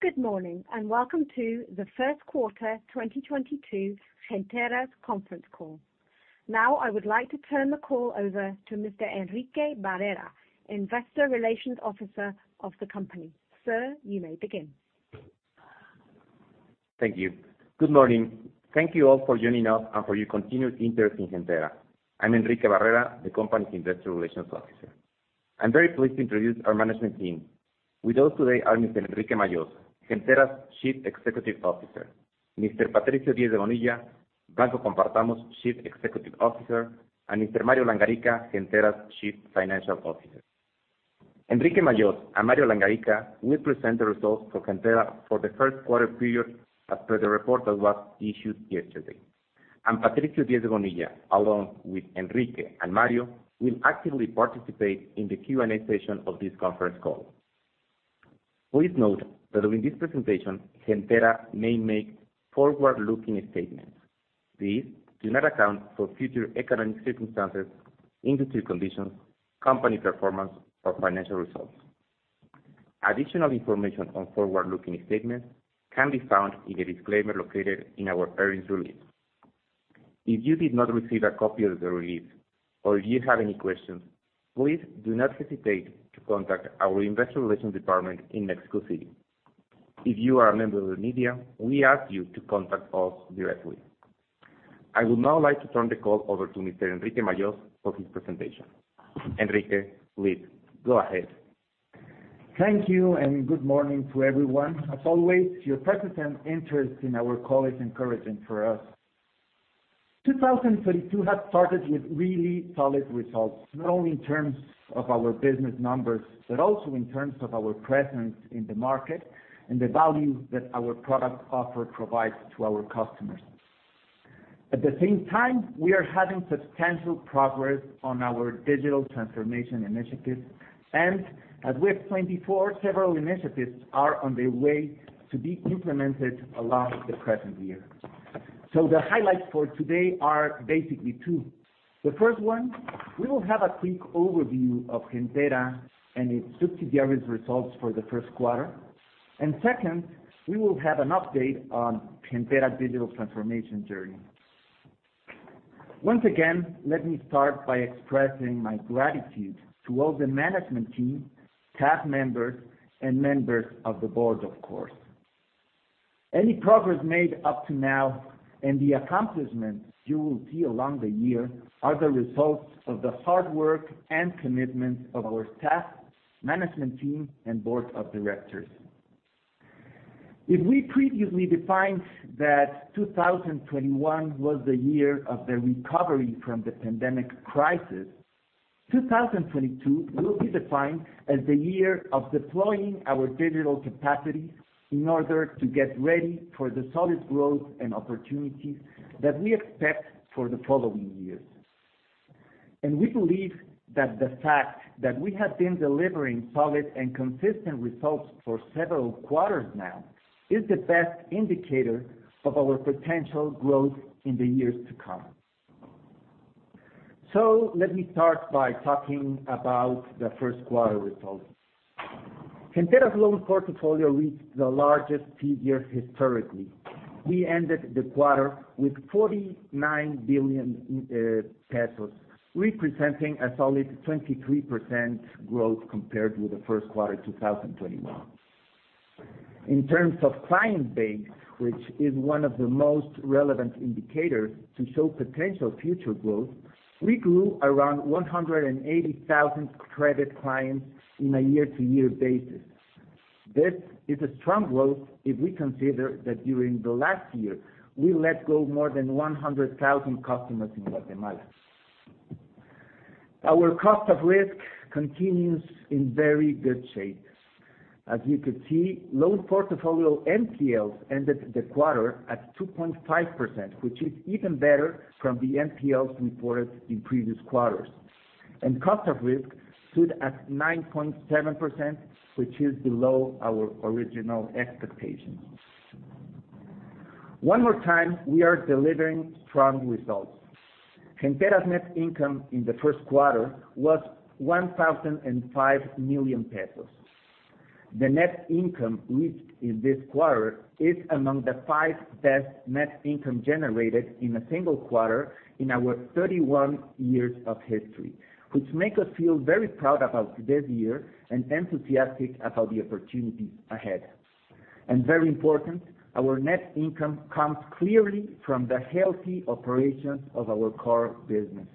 Good morning, and welcome to the first quarter 2022 Gentera's conference call. Now, I would like to turn the call over to Mr. Enrique Varela, Investor Relations Officer of the company. Sir, you may begin. Thank you. Good morning. Thank you all for joining us and for your continued interest in Gentera. I'm Enrique Varela, the company's investor relations officer. I'm very pleased to introduce our management team. With us today are Mr. Enrique Majós, Gentera's Chief Executive Officer, Mr. Patricio Diez de Bonilla, Banco Compartamos' Chief Executive Officer, and Mr. Mario Langarica, Gentera's Chief Financial Officer. Enrique Majós and Mario Langarica will present the results for Gentera for the first quarter period as per the report that was issued yesterday. Patricio Diez de Bonilla, along with Enrique and Mario, will actively participate in the Q&A session of this conference call. Please note that during this presentation, Gentera may make forward-looking statements. These do not account for future economic circumstances, industry conditions, company performance, or financial results. Additional information on forward-looking statements can be found in the disclaimer located in our earnings release. If you did not receive a copy of the release or if you have any questions, please do not hesitate to contact our investor relations department in Mexico City. If you are a member of the media, we ask you to contact us directly. I would now like to turn the call over to Mr. Enrique Majós for his presentation. Enrique, please go ahead. Thank you, and good morning to everyone. As always, your presence and interest in our call is encouraging for us. 2022 has started with really solid results, not only in terms of our business numbers, but also in terms of our presence in the market and the value that our product offer provides to our customers. At the same time, we are having substantial progress on our digital transformation initiative. As we explained before, several initiatives are on the way to be implemented along the present year. The highlights for today are basically two. The first one, we will have a quick overview of Gentera and its subsidiary's results for the first quarter. Second, we will have an update on Gentera digital transformation journey. Once again, let me start by expressing my gratitude to all the management team, cast members, and members of the board, of course. Any progress made up to now and the accomplishments you will see along the year are the results of the hard work and commitment of our cast, management team, and board of directors. If we previously defined that 2021 was the year of the recovery from the pandemic crisis, 2022 will be defined as the year of deploying our digital capacity in order to get ready for the solid growth and opportunities that we expect for the following years. We believe that the fact that we have been delivering solid and consistent results for several quarters now is the best indicator of our potential growth in the years to come. Let me start by talking about the first quarter results. Gentera's loan portfolio reached the largest figure historically. We ended the quarter with 49 billion pesos, representing a solid 23% growth compared with the first quarter 2021. In terms of client base, which is one of the most relevant indicators to show potential future growth, we grew around 180,000 credit clients on a year-over-year basis. This is a strong growth if we consider that during the last year, we let go more than 100,000 customers in Guatemala. Our cost of risk continues in very good shape. As you could see, loan portfolio NPLs ended the quarter at 2.5%, which is even better from the NPLs reported in previous quarters. Cost of risk stood at 9.7%, which is below our original expectations. One more time, we are delivering strong results. Gentera's net income in the first quarter was 1,005 million pesos. The net income reached in this quarter is among the five best net income generated in a single quarter in our 31 years of history, which make us feel very proud about this year and enthusiastic about the opportunities ahead. Very important, our net income comes clearly from the healthy operations of our core business.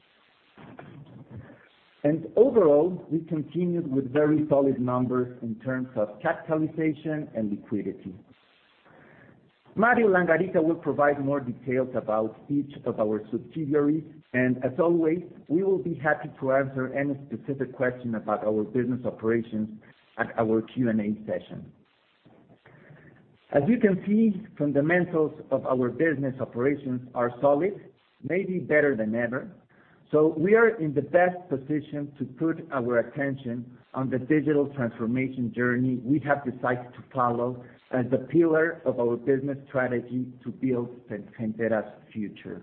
Overall, we continued with very solid numbers in terms of capitalization and liquidity. Mario Langarica will provide more details about each of our subsidiaries, and as always, we will be happy to answer any specific question about our business operations at our Q&A session. As you can see, fundamentals of our business operations are solid, maybe better than ever. We are in the best position to put our attention on the digital transformation journey we have decided to follow as the pillar of our business strategy to build Gentera's future.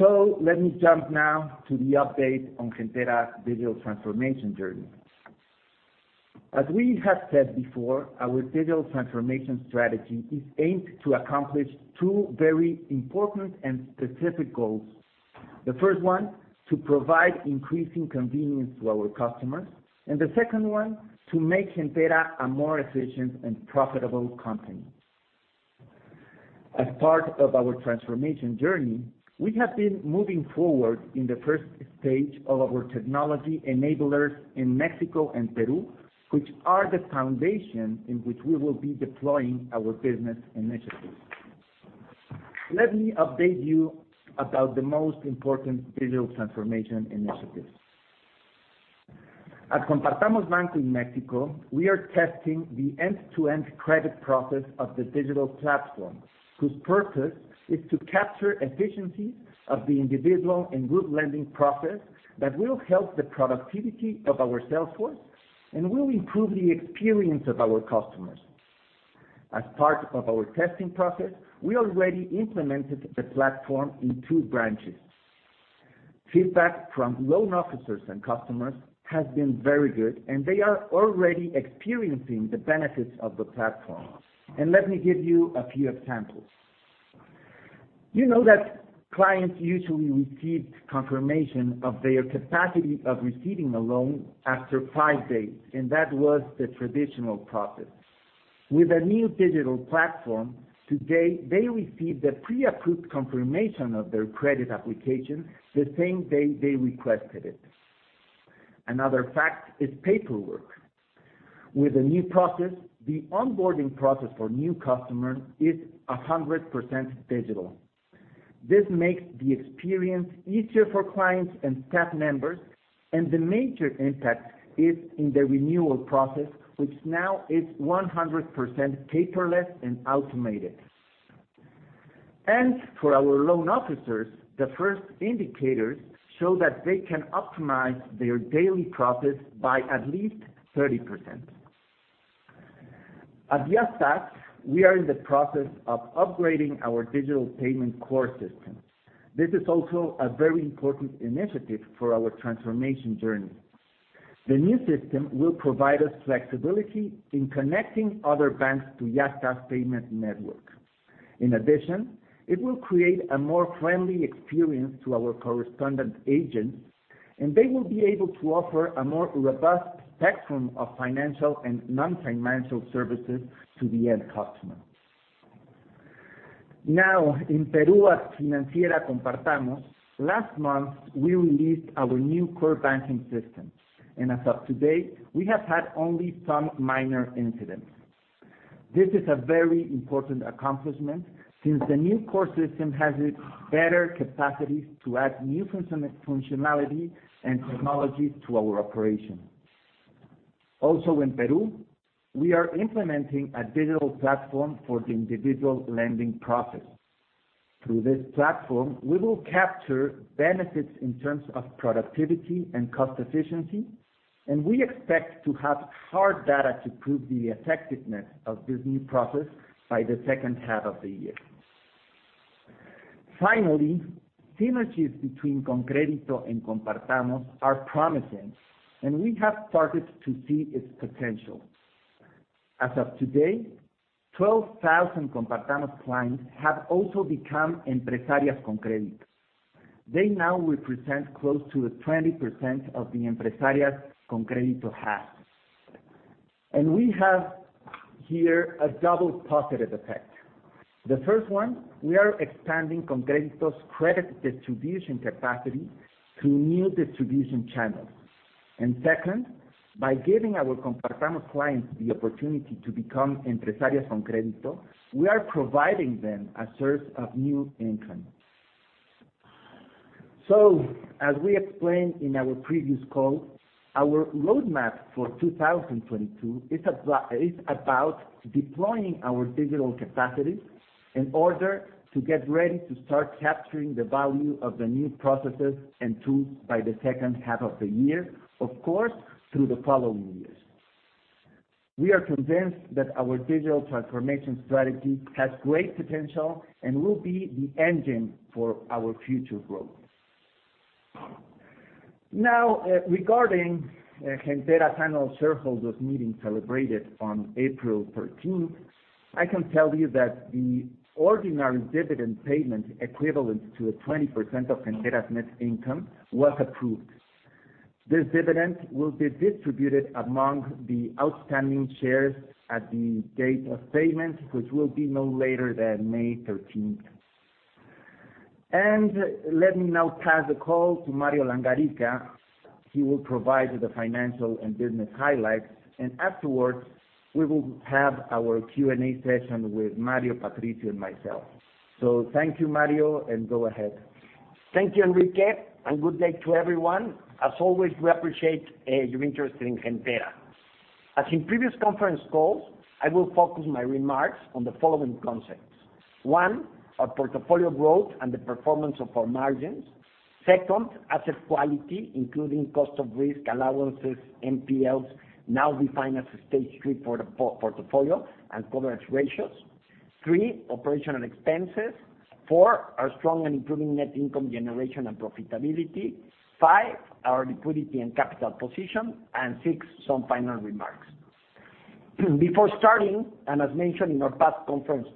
Let me jump now to the update on Gentera digital transformation journey. As we have said before, our digital transformation strategy is aimed to accomplish two very important and specific goals. The first one, to provide increasing convenience to our customers, and the second one, to make Gentera a more efficient and profitable company. As part of our transformation journey, we have been moving forward in the first stage of our technology enablers in Mexico and Peru, which are the foundation in which we will be deploying our business initiatives. Let me update you about the most important digital transformation initiatives. At Banco Compartamos in Mexico, we are testing the end-to-end credit process of the digital platform, whose purpose is to capture efficiency of the individual and group lending process that will help the productivity of our sales force and will improve the experience of our customers. As part of our testing process, we already implemented the platform in two branches. Feedback from loan officers and customers has been very good, and they are already experiencing the benefits of the platform. Let me give you a few examples. You know that clients usually receive confirmation of their capacity of receiving a loan after five days, and that was the traditional process. With the new digital platform, today, they receive the pre-approved confirmation of their credit application the same day they requested it. Another fact is paperwork. With the new process, the onboarding process for new customers is 100% digital. This makes the experience easier for clients and staff members, and the major impact is in the renewal process, which now is 100% paperless and automated. For our loan officers, the first indicators show that they can optimize their daily process by at least 30%. At Yastás, we are in the process of upgrading our digital payment core system. This is also a very important initiative for our transformation journey. The new system will provide us flexibility in connecting other banks to Yastás payment network. In addition, it will create a more friendly experience to our correspondent agents, and they will be able to offer a more robust spectrum of financial and non-financial services to the end customer. Now, in Peru at Compartamos Financiera, last month, we released our new core banking system. As of today, we have had only some minor incidents. This is a very important accomplishment since the new core system has a better capacity to add new functionality and technologies to our operation. Also in Peru, we are implementing a digital platform for the individual lending process. Through this platform, we will capture benefits in terms of productivity and cost efficiency, and we expect to have hard data to prove the effectiveness of this new process by the second half of the year. Finally, synergies between ConCrédito and Compartamos are promising, and we have started to see its potential. As of today, 12,000 Compartamos clients have also become Empresarias ConCrédito. They now represent close to 20% of the Empresarias ConCrédito has. We have here a double positive effect. The first one, we are expanding ConCrédito's credit distribution capacity through new distribution channels. Second, by giving our Compartamos clients the opportunity to become Empresarias ConCrédito, we are providing them a source of new income. As we explained in our previous call, our road-map for 2022 is about deploying our digital capacities in order to get ready to start capturing the value of the new processes and tools by the second half of the year, of course, through the following years. We are convinced that our digital transformation strategy has great potential and will be the engine for our future growth. Now, regarding Gentera's annual shareholders meeting celebrated on April thirteenth, I can tell you that the ordinary dividend payment equivalent to 20% of Gentera's net income was approved. This dividend will be distributed among the outstanding shares at the date of payment, which will be no later than May thirteenth. Let me now pass the call to Mario Langarica. He will provide the financial and business highlights, and afterwards, we will have our Q&A session with Mario, Patricio, and myself. Thank you, Mario, and go ahead. Thank you, Enrique, and good day to everyone. As always, we appreciate your interest in Gentera. As in previous conference calls, I will focus my remarks on the following concepts. One, our portfolio growth and the performance of our margins. Second, asset quality, including cost of risk allowances, NPLs, now defined as a Stage 3 portfolio and coverage ratios. Three, operational expenses. Four, our strong and improving net income generation and profitability. Five, our liquidity and capital position. And six, some final remarks. Before starting, and as mentioned in our past conference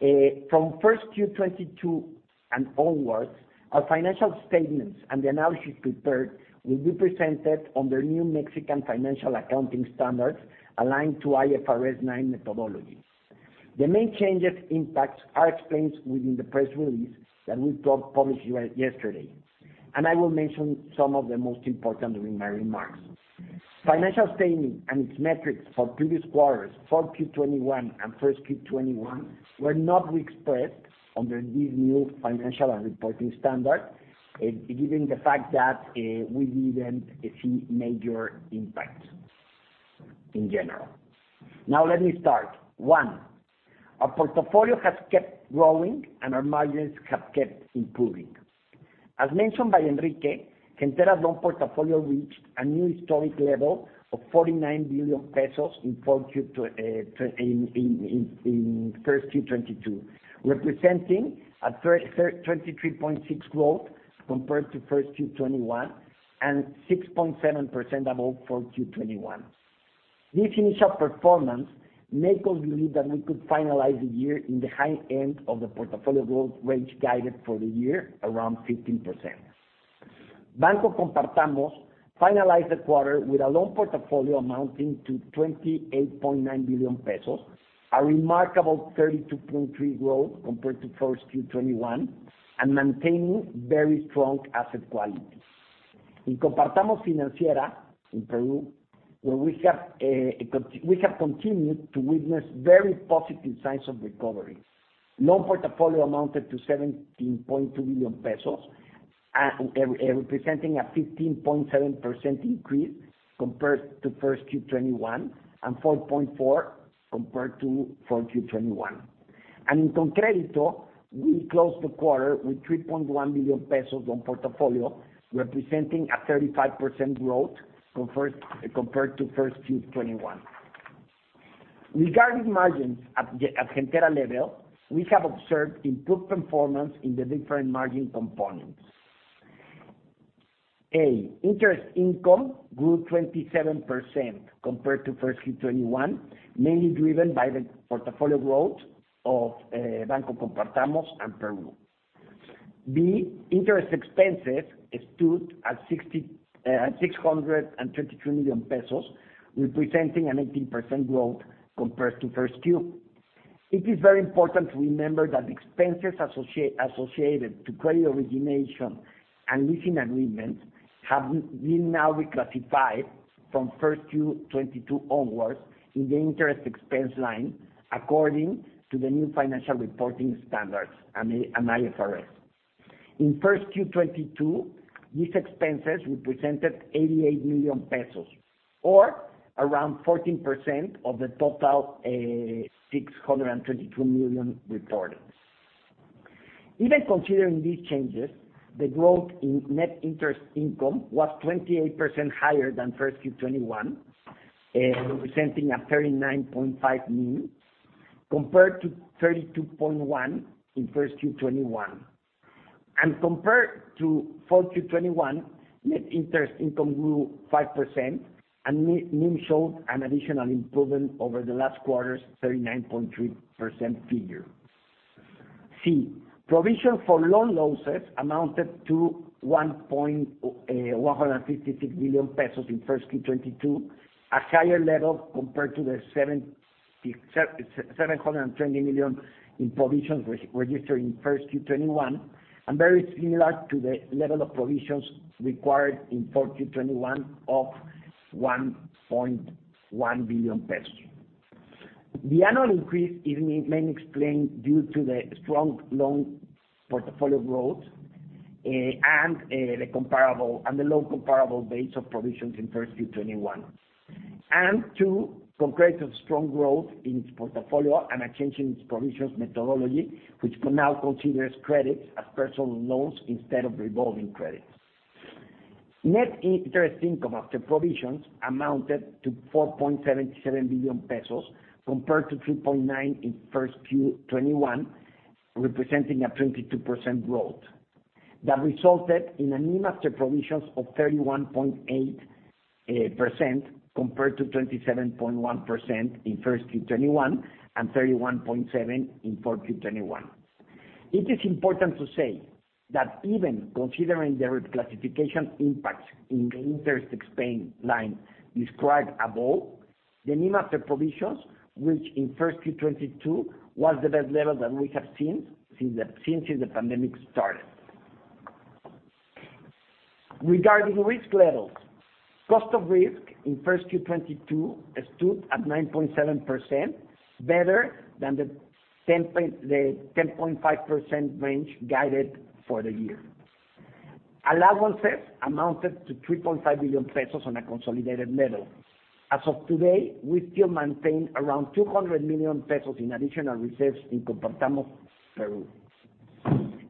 call, from first Q 2022 and onwards, our financial statements and the analysis prepared will be presented under new Mexican financial accounting standards aligned to IFRS 9 methodologies. The main changes impacts are explained within the press release that we published yesterday, and I will mention some of the most important during my remarks. Financial statement and its metrics for previous quarters, fourth quarter 2021 and first quarter 2021, were not expressed under these new financial and reporting standards, given the fact that we didn't see major impacts in general. Now let me start. One, our portfolio has kept growing and our margins have kept improving. As mentioned by Enrique, Gentera loan portfolio reached a new historic level of 49 billion pesos in first quarter 2022, representing a 23.6% growth compared to first quarter 2021 and 6.7% above fourth quarter 2021. This initial performance make us believe that we could finalize the year in the high end of the portfolio growth range guided for the year, around 15%. Banco Compartamos finalized the quarter with a loan portfolio amounting to 28.9 billion pesos, a remarkable 32.3% growth compared to first Q 2021, and maintaining very strong asset quality. In Compartamos Financiera in Peru, we have continued to witness very positive signs of recovery. Loan portfolio amounted to 17.2 billion pesos, representing a 15.7% increase compared to first Q 2021 and 4.4% compared to 4Q 2021. In ConCrédito, we closed the quarter with 3.1 billion pesos on portfolio, representing a 35% growth compared to first Q 2021. Regarding margins at Gentera level, we have observed improved performance in the different margin components. Interest income grew 27% compared to first Q 2021, mainly driven by the portfolio growth of Banco Compartamos and Peru. Interest expenses stood at 632 million pesos, representing an 18% growth compared to first Q. It is very important to remember that the expenses associated to credit origination and leasing agreements have been now reclassified from first Q 2022 onwards in the interest expense line according to the new financial reporting standards and IFRS. In first Q 2022, these expenses represented 88 million pesos or around 14% of the total, six hundred and thirty-two million reported. Even considering these changes, the growth in net interest income was 28% higher than first Q 2021, representing a 39.5% NIM compared to 32.1% in first Q 2021. Compared to 4Q 2021, net interest income grew 5%, and NIM showed an additional improvement over the last quarter's 39.3% figure. Provision for loan losses amounted to 156 million pesos in 1Q 2022, a higher level compared to the 772 million MXN in provisions registered in first Q 2021, and very similar to the level of provisions required in 4Q 2021 of 1.1 billion pesos. The annual increase is mainly explained due to the strong loan portfolio growth, and the low comparable base of provisions in first Q 2021. Two, ConCrédito's strong growth in its portfolio and a change in its provisions methodology, which now considers credits as personal loans instead of revolving credits. Net interest income after provisions amounted to 4.77 billion pesos compared to 3.9 billion MXN in first Q 2021, representing a 22% growth. That resulted in a NIM after provisions of 31.8% compared to 27.1% in first Q 2021 and 31.7% in 4Q 2021. It is important to say that even considering the reclassification impacts in the interest expense line described above, the NIM after provisions, which in first Q 2022 was the best level that we have seen since the pandemic started. Regarding risk levels, cost of risk in first Q 2022 stood at 9.7%, better than the 10.5% range guided for the year. Allowances amounted to 3.5 billion pesos on a consolidated level. As of today, we still maintain around 200 million pesos in additional reserves in Compartamos, Peru.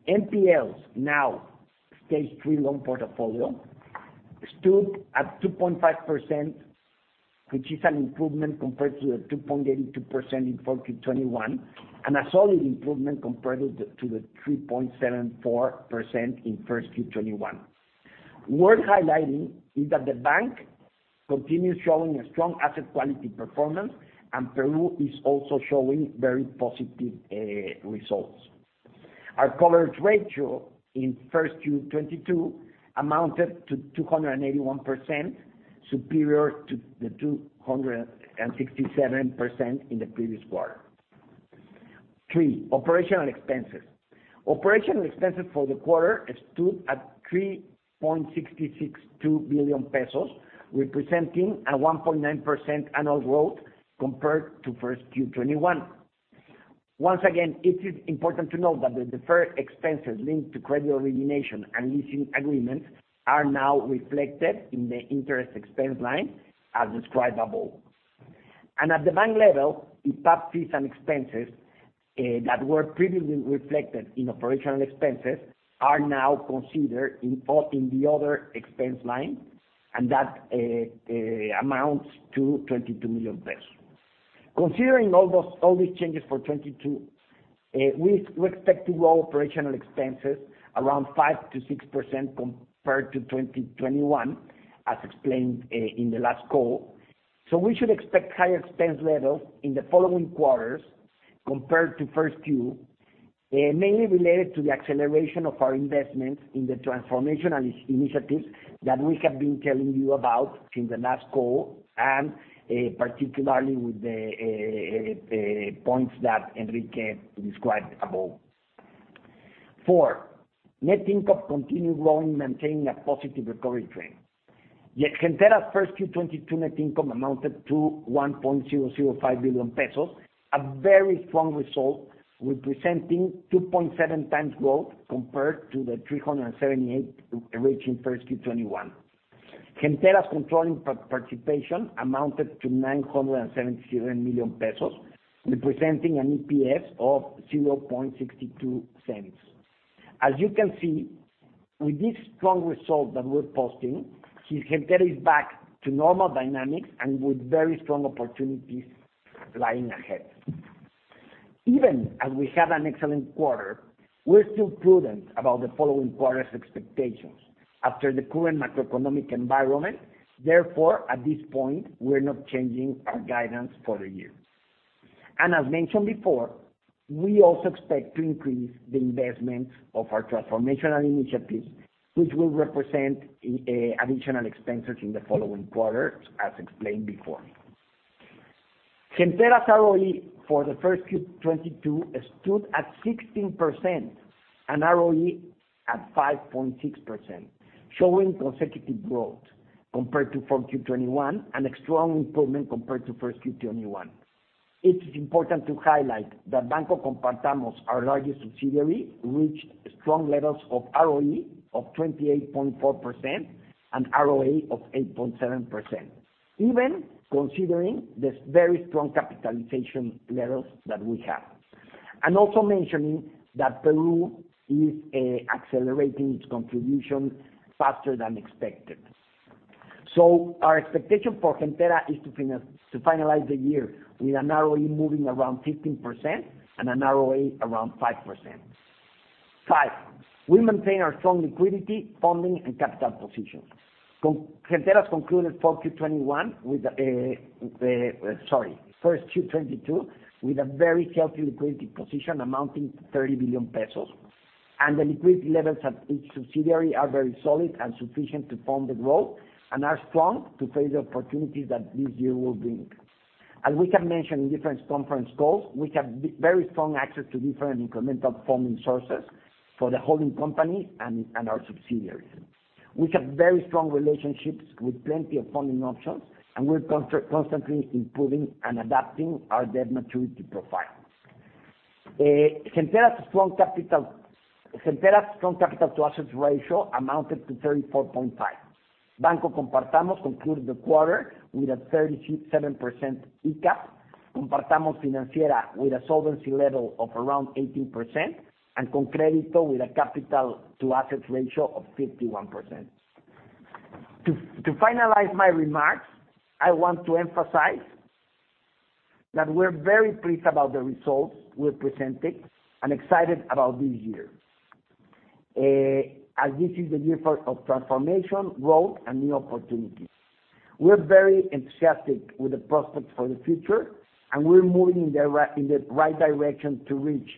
NPLs, now, Stage 3 loan portfolio, stood at 2.5%, which is an improvement compared to the 2.82% in 4Q 2021, and a solid improvement compared to the 3.74% in first Q 2021. Worth highlighting is that the bank continues showing a strong asset quality performance, and Peru is also showing very positive results. Our coverage ratio in first Q 2022 amounted to 281%, superior to the 267% in the previous quarter. Three, operational expenses. Operational expenses for the quarter stood at 3.662 billion pesos, representing a 1.9% annual growth compared to 1Q2021. Once again, it is important to note that the deferred expenses linked to credit origination and leasing agreements are now reflected in the interest expense line as described above. At the bank level, in fact, fees and expenses that were previously reflected in operational expenses are now considered in the other expense line, and that amounts to 22 million pesos. Considering all these changes for 2022, we expect to grow operational expenses around 5%-6% compared to 2021, as explained in the last call. We should expect higher expense levels in the following quarters compared to first Q, mainly related to the acceleration of our investments in the transformational initiatives that we have been telling you about in the last call, and particularly with the points that Enrique described above. Four, net income continued growing, maintaining a positive recovery trend. Yet Gentera's 1Q 2022 net income amounted to 1.005 billion pesos, a very strong result representing 2.7x growth compared to the MXN 378 reached in 1Q 2021. Gentera's controlling participation amounted to 977 million pesos, representing an EPS of 0.62 cents. As you can see, with this strong result that we're posting, Gentera is back to normal dynamics and with very strong opportunities lying ahead. Even as we had an excellent quarter, we're still prudent about the following quarter's expectations after the current macroeconomic environment. Therefore, at this point, we're not changing our guidance for the year. As mentioned before, we also expect to increase the investment of our transformational initiatives, which will represent additional expenses in the following quarter, as explained before. Gentera's ROE for the first Q 2022 stood at 16%, and ROA at 5.6%, showing consecutive growth compared to full Q 2021 and a strong improvement compared to first Q 2021. It is important to highlight that Banco Compartamos, our largest subsidiary, reached strong levels of ROE of 28.4% and ROA of 8.7%, even considering the very strong capitalization levels that we have. Also mentioning that Peru is accelerating its contribution faster than expected. Our expectation for Gentera is to finalize the year with an ROE moving around 15% and an ROA around 5%. Five, we maintain our strong liquidity, funding, and capital position. Gentera's concluded first Q 2022 with a very healthy liquidity position amounting to 30 billion pesos, and the liquidity levels at each subsidiary are very solid and sufficient to fund the growth and are strong to face the opportunities that this year will bring. As we have mentioned in different conference calls, we have very strong access to different incremental funding sources for the holding company and our subsidiaries. We have very strong relationships with plenty of funding options, and we're constantly improving and adapting our debt maturity profile. Gentera's strong capital-to-assets ratio amounted to 34.5. Banco Compartamos concluded the quarter with a 37% ECAP, Compartamos Financiera with a solvency level of around 18%, and ConCrédito with a capital-to-assets ratio of 51%. To finalize my remarks, I want to emphasize that we're very pleased about the results we have presented and excited about this year, as this is the year of transformation, growth, and new opportunities. We're very enthusiastic with the prospects for the future, and we're moving in the right direction to reach,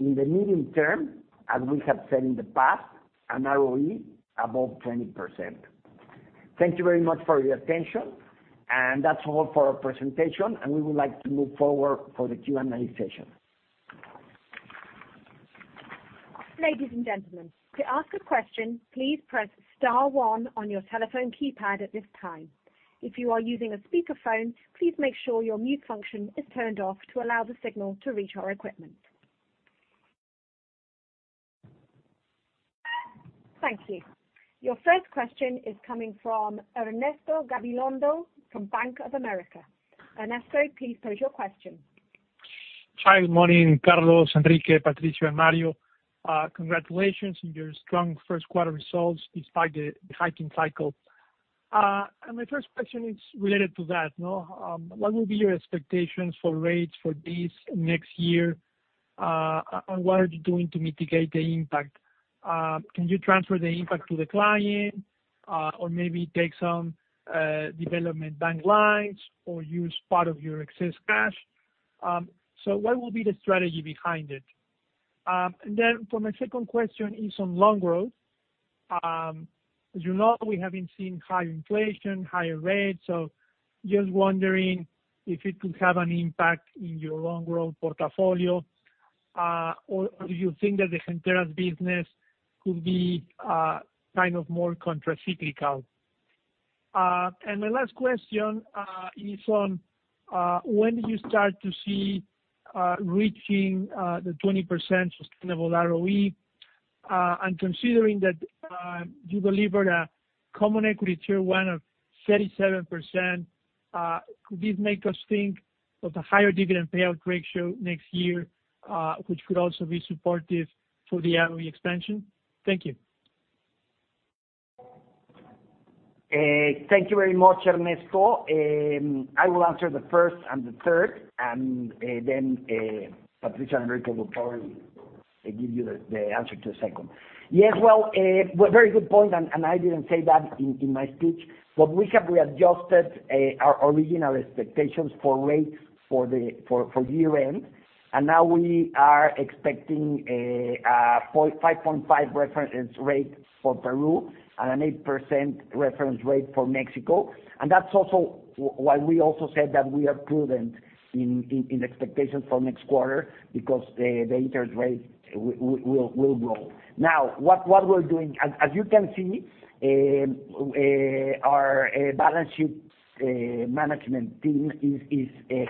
in the medium term, as we have said in the past, an ROE above 20%. Thank you very much for your attention. That's all for our presentation, and we would like to move forward for the Q&A session. Ladies and gentlemen, to ask a question, please press star one on your telephone keypad at this time. If you are using a speakerphone, please make sure your mute function is turned off to allow the signal to reach our equipment. Thank you. Your first question is coming from Ernesto Gabilondo from Bank of America. Ernesto, please pose your question. Hi, good morning, Carlos, Enrique, Patricio, and Mario. Congratulations on your strong first quarter results despite the hiking cycle. My first question is related to that, you know. What will be your expectations for rates for this next year? And what are you doing to mitigate the impact? Can you transfer the impact to the client, or maybe take some development bank lines or use part of your excess cash? What will be the strategy behind it? My second question is on loan growth. As you know, we have been seeing high inflation, higher rates, so just wondering if it could have an impact in your loan growth portfolio, or do you think that the Gentera business could be kind of more counter-cyclical? My last question is on when did you start to see reaching the 20% sustainable ROE? Considering that you delivered a Common Equity Tier 1 of 37%, could this make us think of a higher dividend payout ratio next year, which could also be supportive for the ROE expansion? Thank you. Thank you very much, Ernesto. I will answer the first and the third, and then Patricio and Enrique will probably give you the answer to the second. Yes, well, very good point, and I didn't say that in my speech. We have readjusted our original expectations for rates for year-end, and now we are expecting a 5.5 reference rate for Peru and an 8% reference rate for Mexico. That's also why we said that we are prudent in expectations for next quarter because the interest rates will grow. Now, what we're doing, as you can see, our balance sheet management team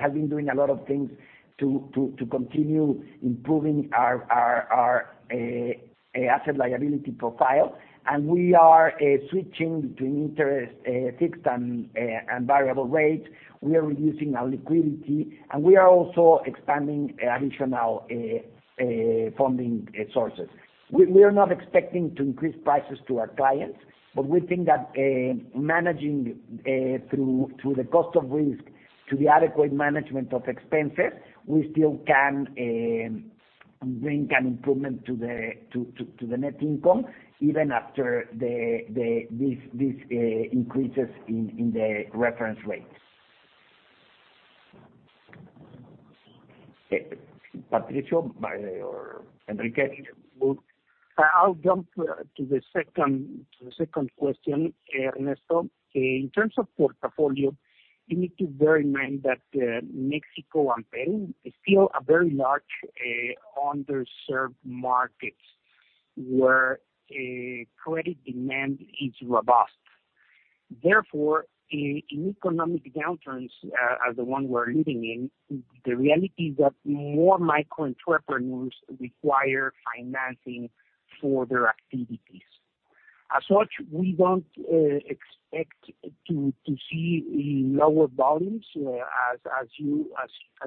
has been doing a lot of things to continue improving our asset-liability profile. We are switching between interest fixed and variable rates. We are reducing our liquidity, and we are also expanding additional funding sources. We are not expecting to increase prices to our clients, but we think that managing through the cost of risk to the adequate management of expenses, we still can bring an improvement to the net income even after these increases in the reference rates. Patricio or Enrique? I'll jump to the second question, Ernesto. In terms of portfolio, you need to bear in mind that Mexico and Peru are still a very large underserved markets where credit demand is robust. Therefore, in economic down-turns, as the one we're living in, the reality is that more micro entrepreneurs require financing for their activities. As such, we don't expect to see lower volumes. As you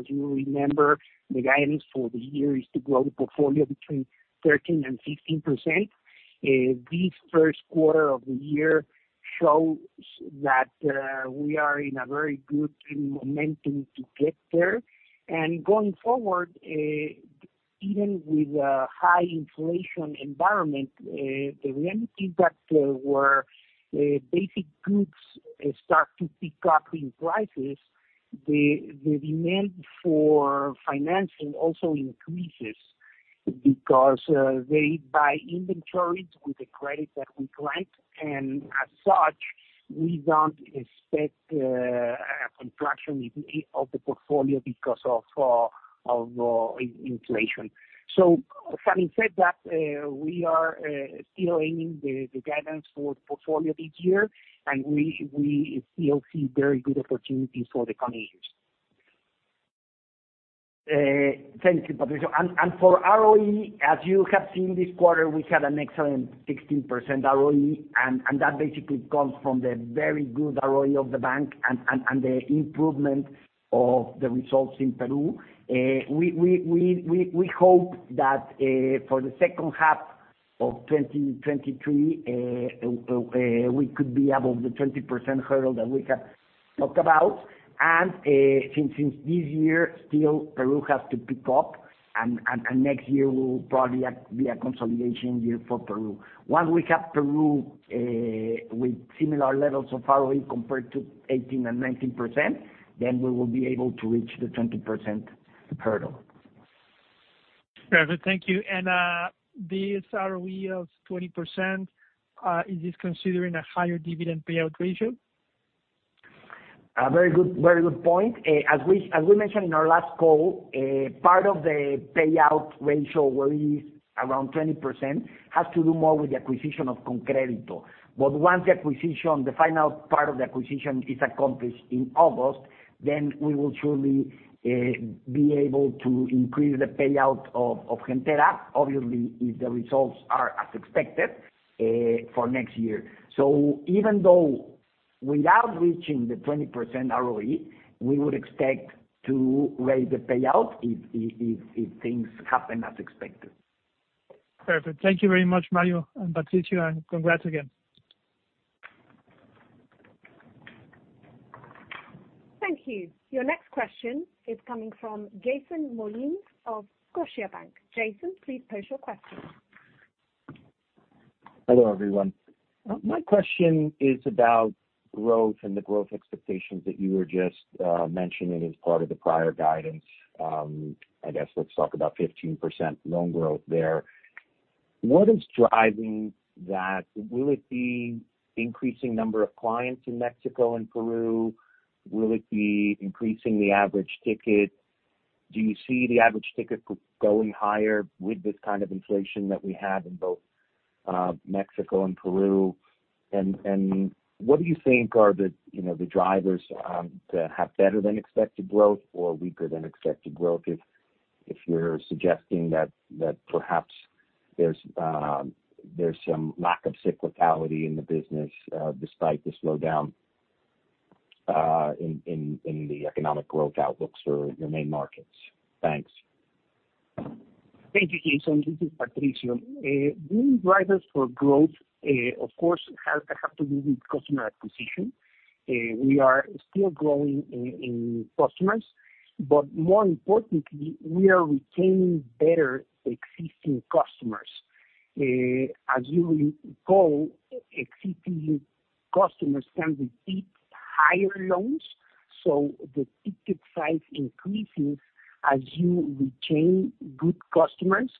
remember, the guidance for the year is to grow the portfolio between 13% and 15%. This first quarter of the year shows that we are in a very good momentum to get there. Going forward, even with a high inflation environment, the reality is that where basic goods start to pick up in prices, the demand for financing also increases because they buy inventories with the credit that we grant. As such, we don't expect a contraction of the portfolio because of inflation. Having said that, we are still aiming for the guidance for the portfolio this year, and we still see very good opportunities for the coming years. Thank you, Patricio. For ROE, as you have seen this quarter, we had an excellent 16% ROE, and that basically comes from the very good ROE of the bank and the improvement of the results in Peru. We hope that for the second half of 2023, we could be above the 20% hurdle that we have talked about. Since this year, still Peru has to pick up and next year will probably be a consolidation year for Peru. Once we have Peru with similar levels of ROE compared to 18% and 19%, then we will be able to reach the 20% hurdle. Perfect. Thank you. This ROE of 20%, is this considering a higher dividend payout ratio? A very good point. As we mentioned in our last call, part of the payout ratio where it is around 20% has to do more with the acquisition of ConCrédito. Once the acquisition, the final part of the acquisition is accomplished in August, then we will surely be able to increase the payout of Gentera, obviously, if the results are as expected for next year. Even though. Without reaching the 20% ROE, we would expect to raise the payout if things happen as expected. Perfect. Thank you very much, Mario and Patricio, and congrats again. Thank you. Your next question is coming from Jason Mollin of Scotiabank. Jason, please pose your question. Hello, everyone. My question is about growth and the growth expectations that you were just mentioning as part of the prior guidance. I guess let's talk about 15% loan growth there. What is driving that? Will it be increasing number of clients in Mexico and Peru? Will it be increasing the average ticket? Do you see the average ticket going higher with this kind of inflation that we have in both Mexico and Peru? What do you think are the you know the drivers to have better than expected growth or weaker than expected growth, if you're suggesting that perhaps there's some lack of cyclicality in the business despite the slow-down in the economic growth outlooks for your main markets? Thanks. Thank you, Jason. This is Patricio. The drivers for growth, of course, have to do with customer acquisition. We are still growing in customers, but more importantly, we are retaining better existing customers. As you recall, existing customers tend to seek higher loans, so the ticket size increases as you retain good customers.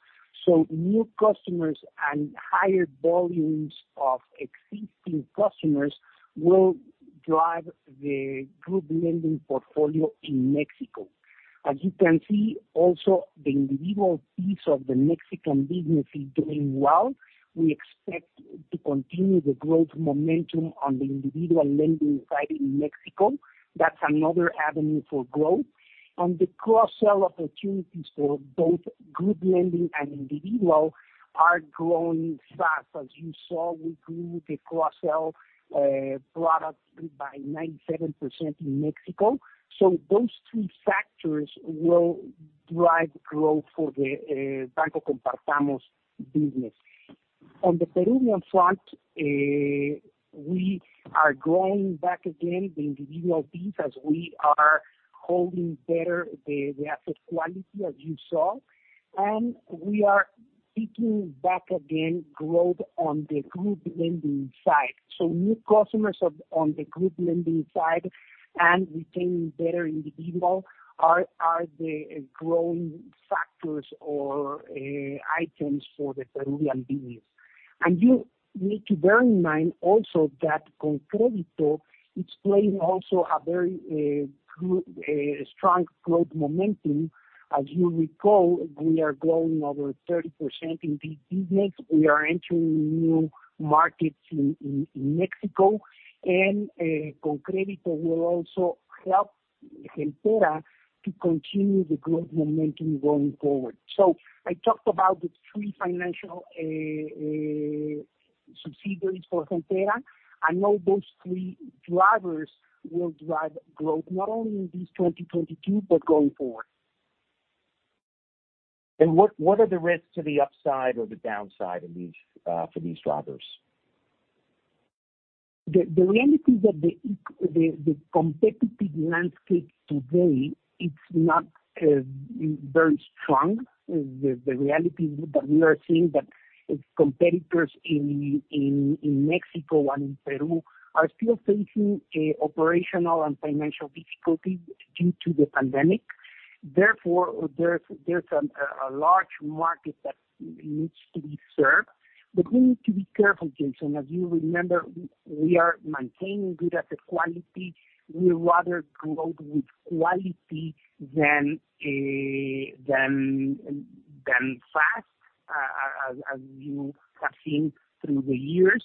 New customers and higher volumes of existing customers will drive the group lending portfolio in Mexico. As you can see also, the individual piece of the Mexican business is doing well. We expect to continue the growth momentum on the individual lending side in Mexico. That's another avenue for growth. The cross-sell opportunities for both group lending and individual are growing fast. As you saw, we grew the cross-sell products by 97% in Mexico. Those two factors will drive growth for the Banco Compartamos business. On the Peruvian front, we are growing back again the individual piece as we are holding better the asset quality, as you saw. We are seeking back again growth on the group lending side. New customers on the group lending side and retaining better individual are the growing factors or items for the Peruvian business. You need to bear in mind also that ConCrédito is playing a very good strong growth momentum. As you recall, we are growing over 30% in this business. We are entering new markets in Mexico, and ConCrédito will also help Gentera to continue the growth momentum going forward. I talked about the three financial subsidiaries for Gentera. I know those three drivers will drive growth, not only in this 2022, but going forward. What are the risks to the upside or the downside of these for these drivers? The reality is that the competitive landscape today, it's not very strong. The reality that we are seeing that competitors in Mexico and in Peru are still facing operational and financial difficulties due to the pandemic. Therefore, there's a large market that needs to be served. But we need to be careful, Jason. As you remember, we are maintaining good asset quality. We rather grow with quality than fast, as you have seen through the years.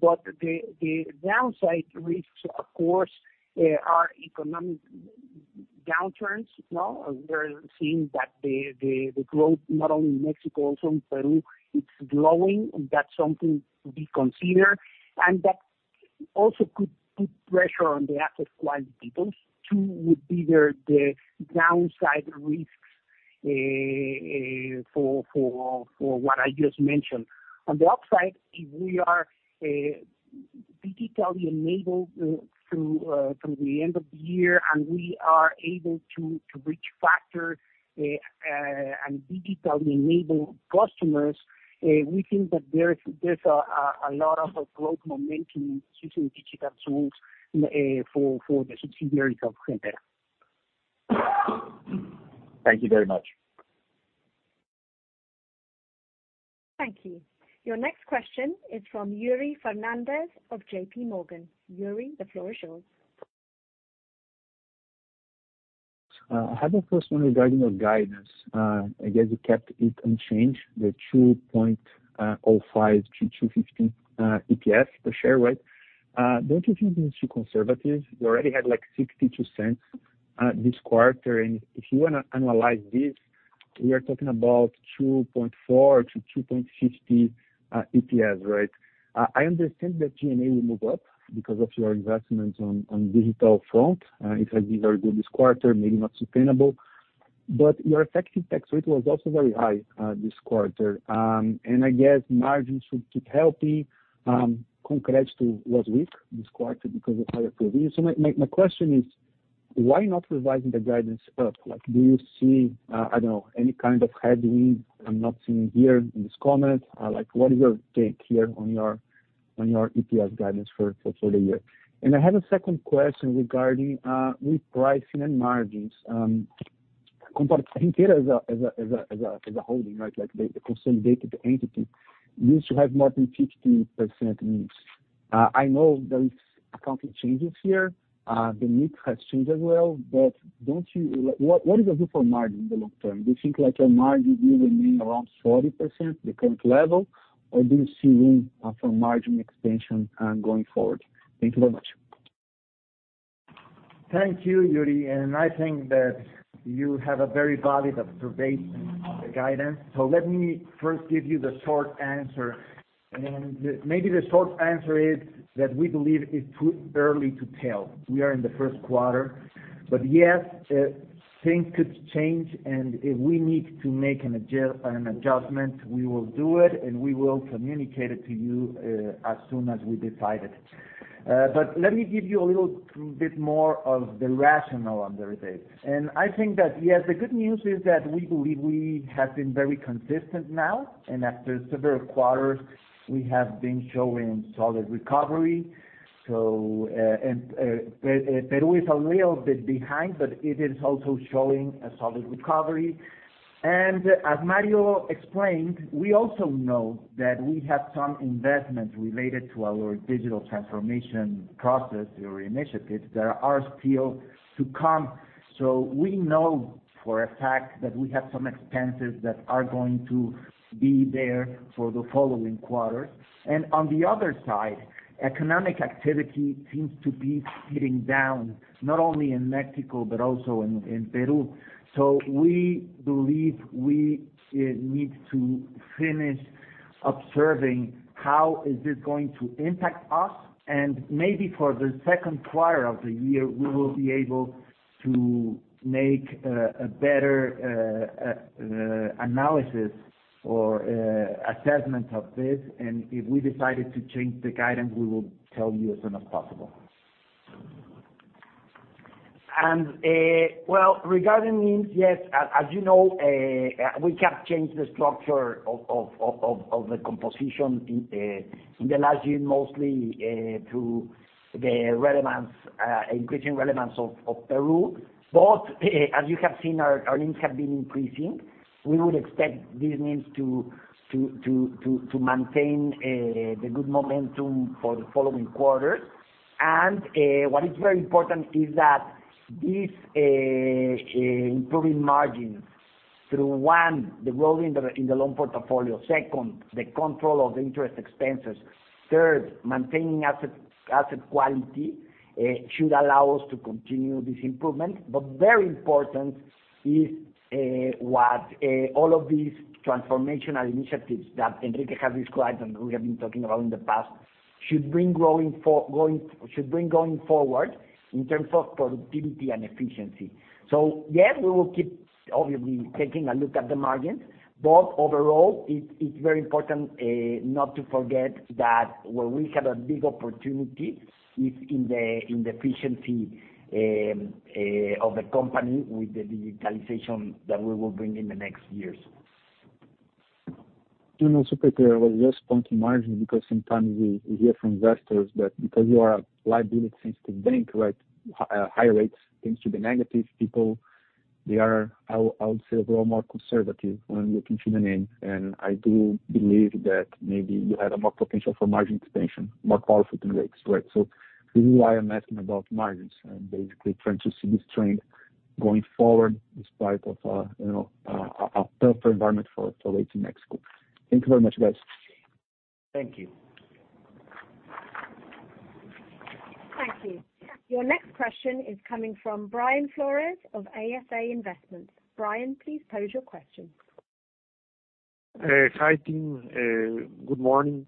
But the downside risks, of course, are economic down-turns, no? We're seeing that the growth not only in Mexico, also in Peru, it's slowing. That's something to be considered. That also could put pressure on the asset quality. Those two would be the downside risks for what I just mentioned. On the upside, if we are digitally enabled through the end of the year, and we are able to reach factors and digitally enable customers, we think that there's a lot of growth momentum using digital tools for the subsidiaries of Gentera. Thank you very much. Thank you. Your next question is from Yuri Fernandes of JP Morgan. Yuri, the floor is yours. I have the first one regarding your guidance. I guess you kept it unchanged, the 2.05-2.15 EPS per share, right? Don't you think this is too conservative? You already had, like, 0.62 this quarter. We are talking about 2.4-2.50 EPS, right? I understand that G&A will move up because of your investments on digital front. It has been very good this quarter, maybe not sustainable. Your effective tax rate was also very high this quarter. I guess margins should keep healthy. ConCrédito was weak this quarter because of higher provision. My question is why not revising the guidance up? Like, do you see, I don't know, any kind of headwind I'm not seeing here in this comment? Like what is your take here on your, on your EPS guidance for the year? I have a second question regarding with pricing and margins. As a holding, right, like the consolidated entity used to have more than 50% NIMs. I know there is accounting changes here. The NIM has changed as well, but don't you like, what is your view for margin in the long term? Do you think like your margin will remain around 40%, the current level? Or do you see room for margin expansion going forward? Thank you very much. Thank you, Yuri. I think that you have a very valid observation on the guidance. Let me first give you the short answer. Maybe the short answer is that we believe it's too early to tell. We are in the first quarter. Yes, things could change. If we need to make an adjustment, we will do it, and we will communicate it to you as soon as we decide it. Let me give you a little bit more of the rationale on the update. I think that, yes, the good news is that we believe we have been very consistent now, and after several quarters we have been showing solid recovery. Peru is a little bit behind, but it is also showing a solid recovery. As Mario explained, we also know that we have some investments related to our digital transformation process or initiatives that are still to come. We know for a fact that we have some expenses that are going to be there for the following quarter. On the other side, economic activity seems to be slowing down, not only in Mexico but also in Peru. We believe we need to finish observing how is this going to impact us. Maybe for the second quarter of the year, we will be able to make a better analysis or assessment of this. If we decided to change the guidance, we will tell you as soon as possible. Regarding NIMs, yes, as you know, we have changed the structure of the composition in the last year, mostly through the relevance, increasing relevance of Peru. Both, as you have seen our NIMs have been increasing. We would expect these NIMs to maintain the good momentum for the following quarter. What is very important is that this improving margin through, one, the growth in the loan portfolio, second, the control of the interest expenses, third, maintaining asset quality should allow us to continue this improvement. Very important is what all of these transformational initiatives that Enrique has described and we have been talking about in the past should bring growth going forward in terms of productivity and efficiency. Yes, we will keep obviously taking a look at the margin. Overall, it's very important not to forget that where we have a big opportunity is in the efficiency of the company with the digitalization that we will bring in the next years. Pedro, I was just pointing margins because sometimes we hear from investors that because you are a liability-sensitive bank, right, higher rates tends to be negative. People, I would say, a little more conservative when looking to the NIM. I do believe that maybe you have a more potential for margin expansion, more powerful than rates, right? This is why I'm asking about margins. I'm basically trying to see this trend going forward despite of a tougher environment for rates in Mexico. Thank you very much, guys. Thank you. Thank you. Your next question is coming from Brian Flores of ASA Investments. Brian, please pose your question. Hi team, good morning.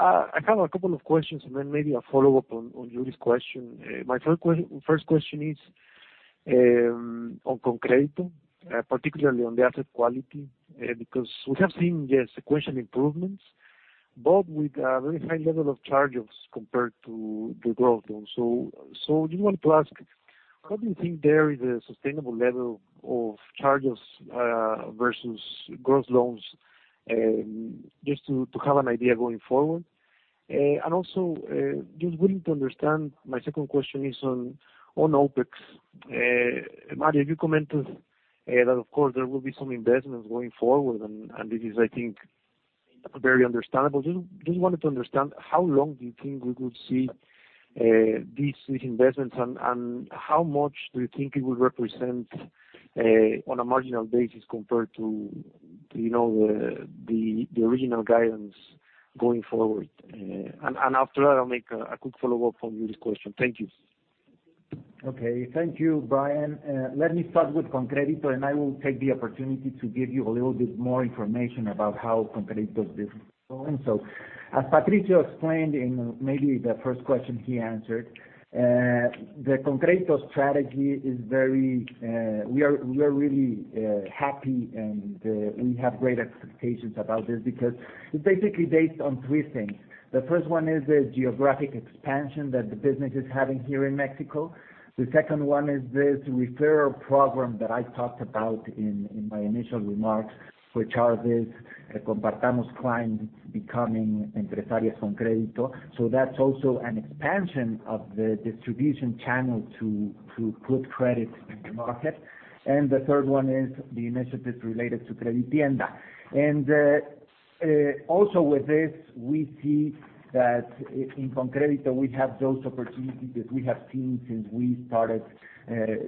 I have a couple of questions and then maybe a follow-up on Yuri's question. My first question is on ConCrédito, particularly on the asset quality, because we have seen yes sequential improvements, but with a very high level of charges compared to the growth loans. Just wanted to ask, what do you think there is a sustainable level of charges versus growth loans, just to have an idea going forward? Also, just willing to understand, my second question is on OpEx. Mario, you commented that of course there will be some investments going forward. This is I think very understandable. Just wanted to understand how long do you think we could see these investments and how much do you think it would represent on a marginal basis compared to you know the original guidance going forward? After that, I'll make a quick follow-up on Yuri's question. Thank you. Okay. Thank you, Brian. Let me start with ConCrédito, and I will take the opportunity to give you a little bit more information about how ConCrédito's business is going. As Patricio explained in maybe the first question he answered, the ConCrédito strategy is very. We are really happy, and we have great expectations about this because it's basically based on three things. The first one is the geographic expansion that the business is having here in Mexico. The second one is this referral program that I talked about in my initial remarks, which are the Compartamos clients becoming Empresarias ConCrédito. That's also an expansion of the distribution channel to put credit in the market. The third one is the initiatives related to CrediTienda. Also with this, we see that in ConCrédito, we have those opportunities that we have seen since we started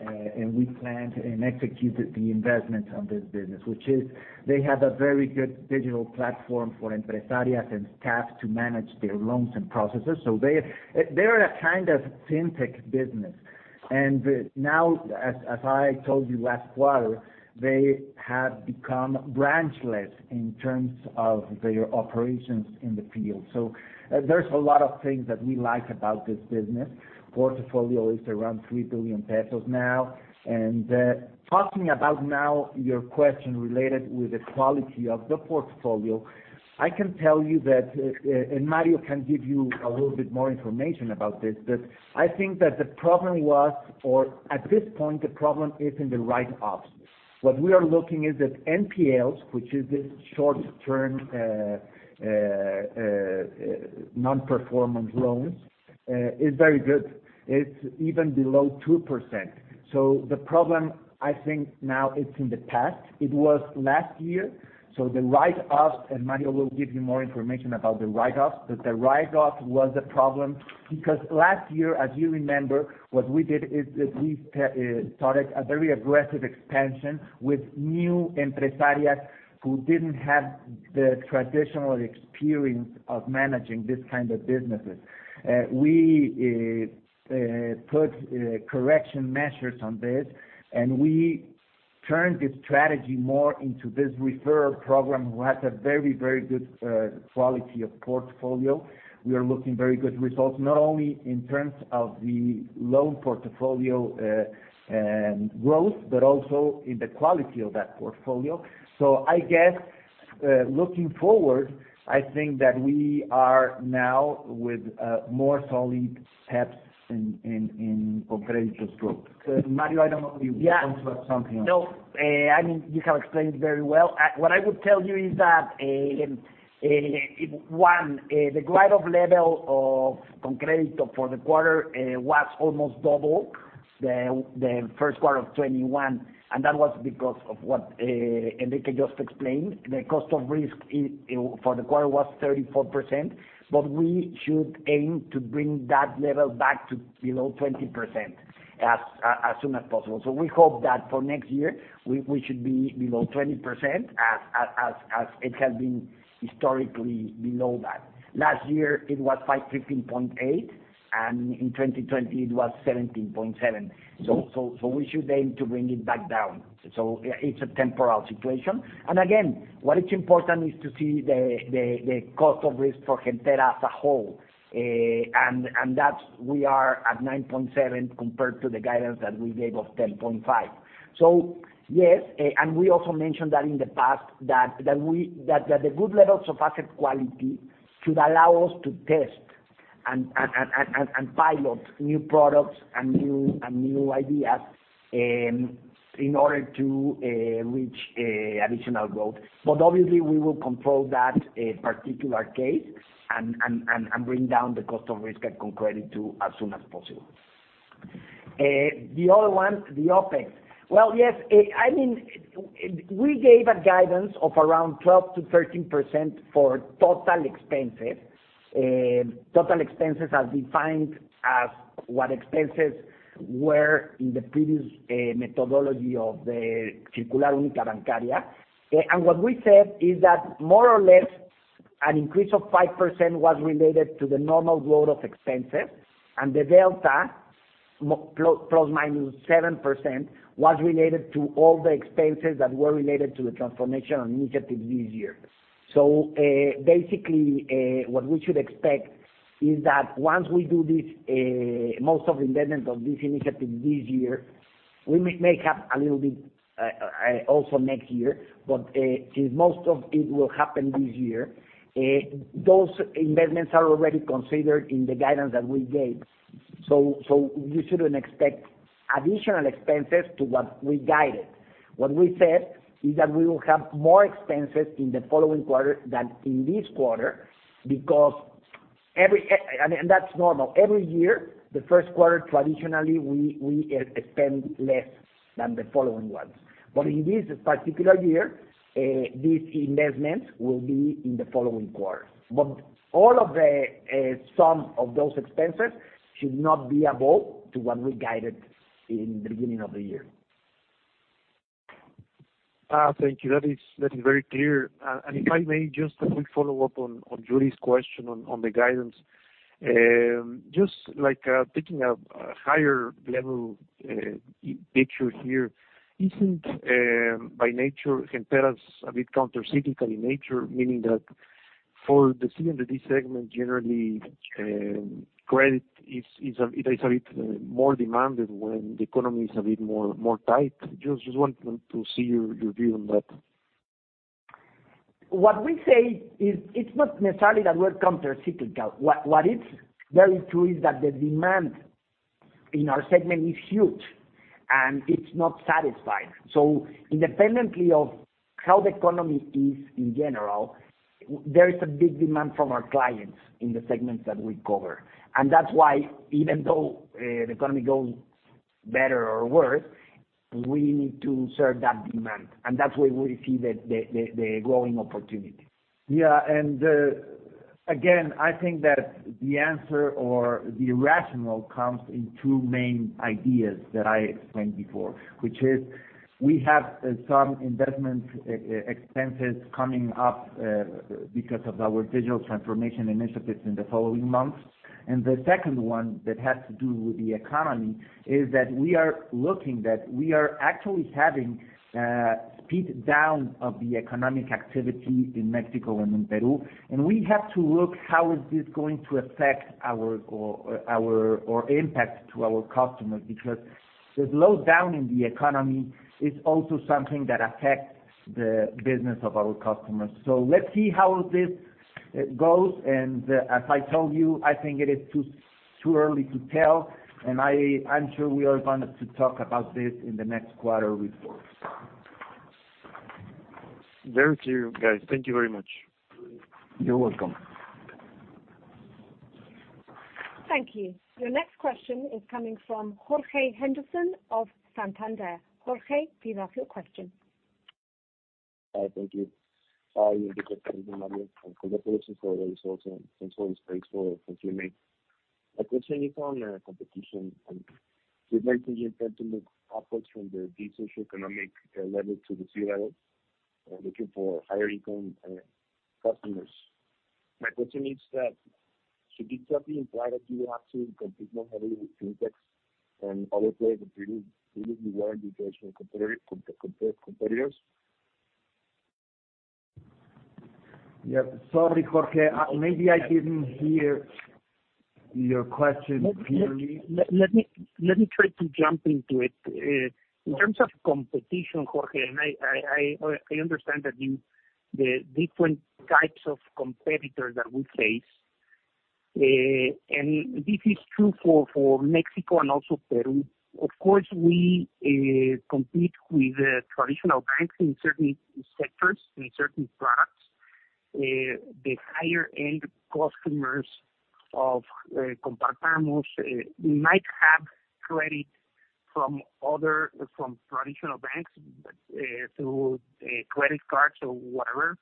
and we planned and executed the investment on this business, which is they have a very good digital platform for empresarias and staff to manage their loans and processes. They are a kind of FinTech business. Now, as I told you last quarter, they have become branchless in terms of their operations in the field. There's a lot of things that we like about this business. Portfolio is around 3 billion pesos now. Talking about now your question related with the quality of the portfolio, I can tell you that, and Mario can give you a little bit more information about this, that I think that the problem was, or at this point, the problem is in the write-offs. What we are looking is that NPLs, which is this short-term, non-performing loans, is very good. It's even below 2%. The problem, I think now it's in the past. It was last year. The write-offs, and Mario will give you more information about the write-offs, but the write-off was a problem because last year, as you remember, what we did is we started a very aggressive expansion with new empresarias who didn't have the traditional experience of managing these kind of businesses. We put correction measures on this, and we turned this strategy more into this referral program, who has a very, very good quality of portfolio. We are seeing very good results, not only in terms of the loan portfolio growth, but also in the quality of that portfolio. I guess, looking forward, I think that we are now with more solid steps in ConCrédito's growth. Mario, I don't know if you want to add something else. Yeah. No, I mean, you have explained very well. What I would tell you is that, one, the write-off level of ConCrédito for the quarter was almost double the first quarter of 2021, and that was because of what Enrique just explained. The cost of risk for the quarter was 34%, but we should aim to bring that level back to below 20% as soon as possible. We hope that for next year, we should be below 20% as it has been historically below that. Last year, it was 15.8%, and in 2020, it was 17.7%. We should aim to bring it back down. It's a temporary situation. Again, what is important is to see the cost of risk for Gentera as a whole, and that we are at 9.7% compared to the guidance that we gave of 10.5%. Yes, we also mentioned that in the past, that the good levels of asset quality should allow us to test and pilot new products and new ideas in order to reach additional growth. Obviously, we will control that particular case and bring down the cost of risk at ConCrédito as soon as possible. The other one, the OpEx. Well, yes, I mean, we gave a guidance of around 12%-13% for total expenses. Total expenses are defined as what expenses were in the previous methodology of the Circular Única de Bancos. What we said is that more or less an increase of 5% was related to the normal growth of expenses, and the delta plus or minus 7% was related to all the expenses that were related to the transformation initiative this year. Basically, what we should expect is that once we do this, most of investment of this initiative this year, we may have a little bit also next year. Since most of it will happen this year, those investments are already considered in the guidance that we gave. You shouldn't expect additional expenses to what we guided. What we said is that we will have more expenses in the following quarter than in this quarter because that's normal. Every year, the first quarter, traditionally, we spend less than the following ones. In this particular year, these investments will be in the following quarter. All of the sum of those expenses should not be above what we guided in the beginning of the year. Thank you. That is very clear. If I may just a quick follow-up on Yuri's question on the guidance. Just like taking a higher level picture here, isn't by nature, Compartamos a bit countercyclical in nature, meaning that for the C and D segment, generally, credit is a bit more demanded when the economy is a bit more tight. Just want to see your view on that. What we say is it's not necessarily that we're countercyclical. What is very true is that the demand in our segment is huge, and it's not satisfied. Independently of how the economy is in general, there is a big demand from our clients in the segments that we cover. That's why even though the economy goes better or worse, we need to serve that demand. That's where we see the growing opportunity. Yeah. Again, I think that the answer or the rationale comes in two main ideas that I explained before, which is we have some investment expenses coming up because of our digital transformation initiatives in the following months. The second one that has to do with the economy is that we are seeing that we are actually having slowdown of the economic activity in Mexico and in Peru. We have to look how is this going to affect our growth or impact to our customers, because the slowdown in the economy is also something that affects the business of our customers. Let's see how this goes. As I told you, I think it is too early to tell. I'm sure we are going to talk about this in the next quarter report. Very clear, guys. Thank you very much. You're welcome. Thank you. Your next question is coming from Jorge Henderson Cubillas of Santander. Jorge, fire off your question. Thank you. Sorry, congratulations for the results and thanks for the space for continuing. My question is on competition. We'd like to look upwards from the D socioeconomic level to the C level, looking for higher income customers. My question is that, should this somehow imply that you have to compete more heavily with FinTechs and other players that really aren't the traditional competitors? Yeah. Sorry, Jorge. Maybe I didn't hear your question clearly. Let me try to jump into it. In terms of competition, Jorge, I understand that the different types of competitors that we face. This is true for Mexico and also Peru. Of course, we compete with traditional banks in certain sectors, in certain products. The higher end customers of Compartamos might have credit from other traditional banks through credit cards or whatever.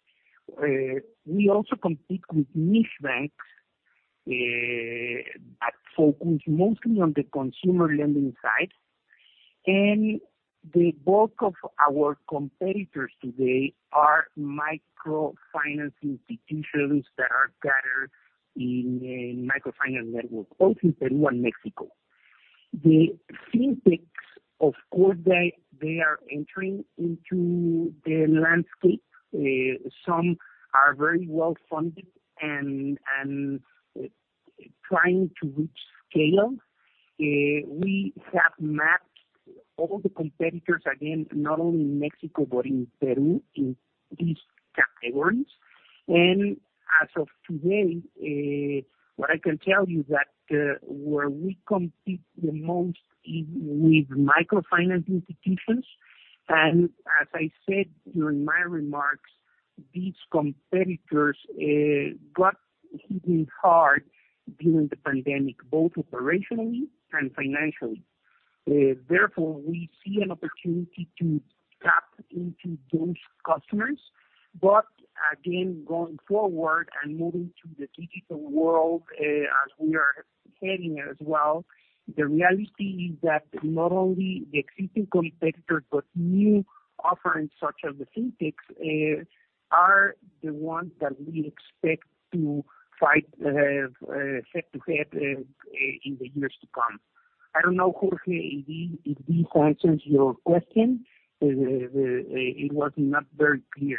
We also compete with niche banks that focus mostly on the consumer lending side. The bulk of our competitors today are microfinance institutions that are gathered in a microfinance network, both in Peru and Mexico. The FinTechs, of course, they are entering into the landscape. Some are very well funded and trying to reach scale. We have mapped all the competitors, again, not only in Mexico, but in Peru, in these categories. As of today, what I can tell you that, where we compete the most is with microfinance institutions. As I said during my remarks, these competitors got hit hard during the pandemic, both operationally and financially. Therefore, we see an opportunity to tap into those customers. Again, going forward and moving to the digital world, as we are heading as well, the reality is that not only the existing competitors, but new offerings such as the FinTechs are the ones that we expect to fight head to head in the years to come. I don't know, Jorge, if this answers your question. It was not very clear.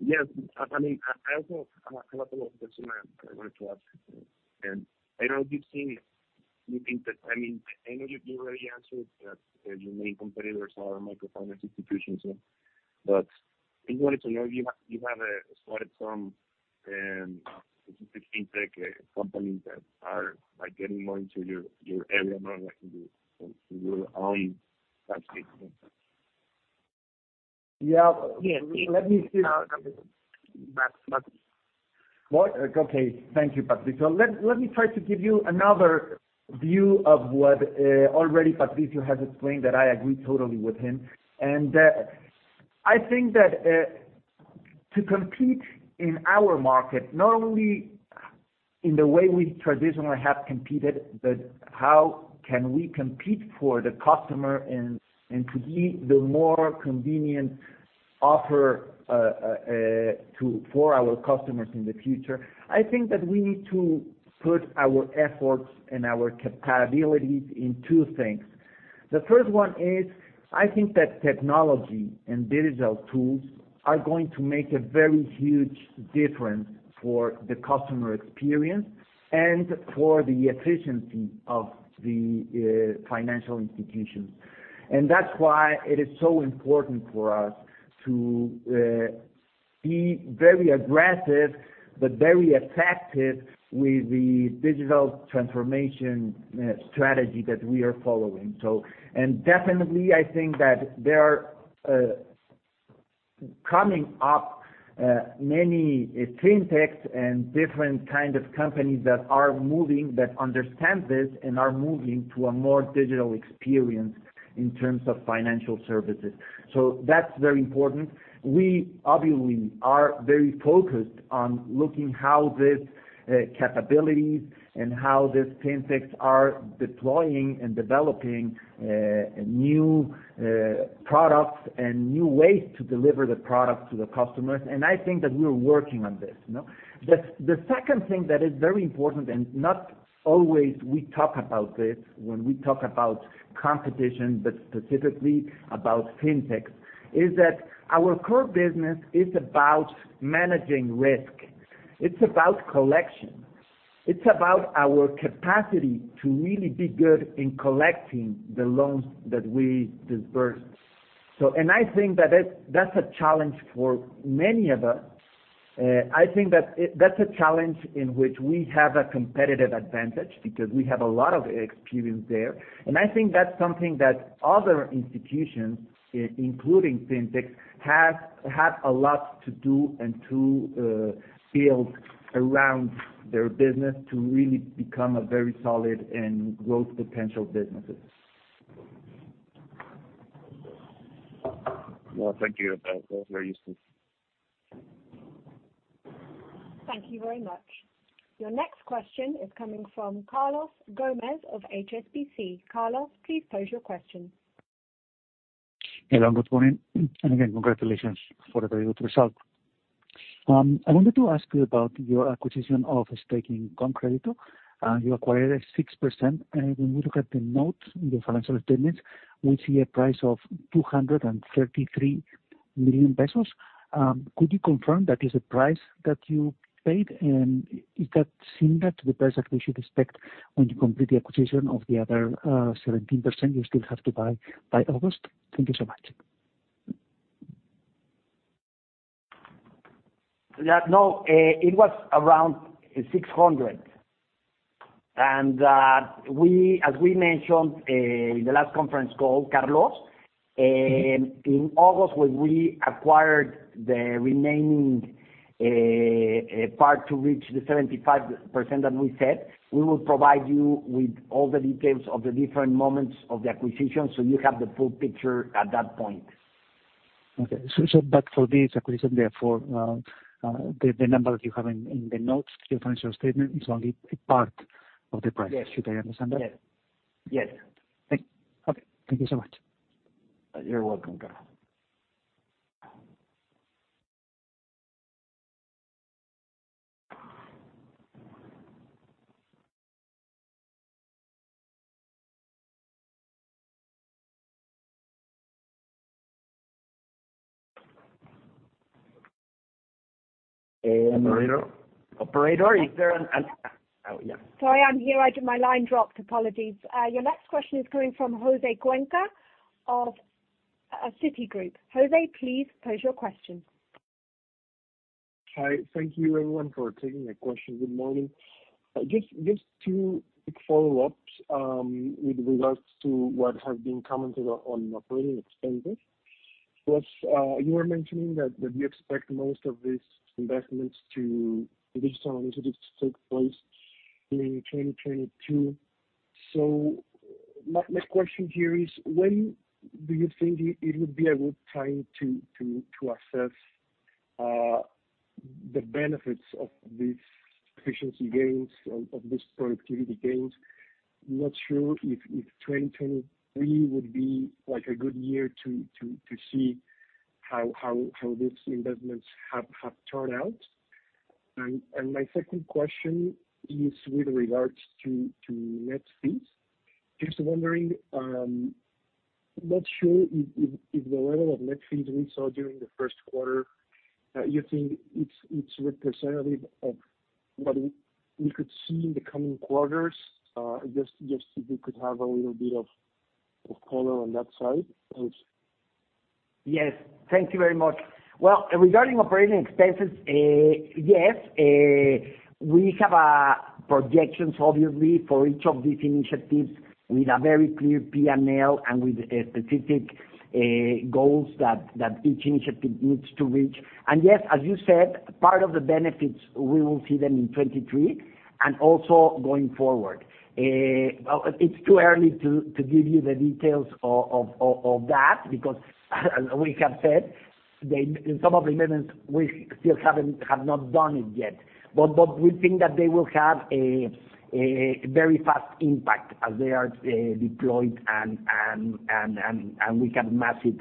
Yes. I mean, I also have a couple of questions I wanted to ask you. I mean, I know you've already answered that your main competitors are microfinance institutions. I wanted to know, you have spotted some specific FinTech companies that are, like, getting more into your area, more or less into your own landscape. Yeah. Let me see. Yes. But, but- What? Okay. Thank you, Patricio. Let me try to give you another view of what already Patricio has explained that I agree totally with him. I think that to compete in our market, not only in the way we traditionally have competed, but how can we compete for the customer and to be the more convenient offer for our customers in the future? I think that we need to put our efforts and our capabilities in two things. The first one is, I think that technology and digital tools are going to make a very huge difference for the customer experience and for the efficiency of the financial institutions. That's why it is so important for us to be very aggressive, but very effective with the digital transformation strategy that we are following. Definitely, I think that there are coming up many FinTechs and different kind of companies that are moving that understand this and are moving to a more digital experience in terms of financial services. So that's very important. We obviously are very focused on looking how these capabilities and how these FinTechs are deploying and developing new products and new ways to deliver the product to the customers. I think that we are working on this, you know. The second thing that is very important, and not always we talk about this when we talk about competition, but specifically about FinTech, is that our core business is about managing risk. It's about collection. It's about our capacity to really be good in collecting the loans that we disperse. That's a challenge for many of us. I think that that's a challenge in which we have a competitive advantage because we have a lot of experience there. I think that's something that other institutions, including FinTechs, have a lot to do and to build around their business to really become a very solid and growth potential businesses. Well, thank you. That was very useful. Thank you very much. Your next question is coming from Carlos Gomez-Lopez of HSBC. Carlos, please pose your question. Hello, good morning. Again, congratulations for the very good result. I wanted to ask you about your acquisition of a stake in ConCrédito. You acquired 6%, and when you look at the notes in the financial statements, we see a price of 233 million pesos. Could you confirm that is the price that you paid? Is that similar to the price that we should expect when you complete the acquisition of the other, 17% you still have to buy by August? Thank you so much. Yeah, no, it was around 600. We as we mentioned in the last conference call, Carlos, in August, when we acquired the remaining part to reach the 75% that we said, we will provide you with all the details of the different moments of the acquisition, so you have the full picture at that point. Okay. Back for this acquisition, therefore, the number that you have in the notes to your financial statement is only a part of the price. Yes. Should I understand that? Yes. Okay. Thank you so much. You're welcome, Carlos. Operator? Operator, oh, yeah. Sorry, I'm here. My line dropped. Apologies. Your next question is coming from José Cuenca of Citigroup. José, please pose your question. Hi. Thank you everyone for taking my question. Good morning. Just two quick follow-ups with regards to what has been commented on operating expenses. First, you were mentioning that you expect most of these investments to digital initiatives to take place during 2022. So my question here is when do you think it would be a good time to assess the benefits of these efficiency gains of these productivity gains? Not sure if 2023 would be like a good year to see how these investments have turned out. My second question is with regards to net fees. Just wondering, not sure if the level of net fees we saw during the first quarter, you think it's representative of what we could see in the coming quarters? Just if you could have a little bit of color on that side. Thanks. Yes. Thank you very much. Well, regarding operating expenses, yes, we have projections obviously for each of these initiatives with a very clear P&L and with specific goals that each initiative needs to reach. Yes, as you said, part of the benefits, we will see them in 2023 and also going forward. It's too early to give you the details of that because as we have said. In some of the amendments, we still have not done it yet. We think that they will have a very fast impact as they are deployed and we have massive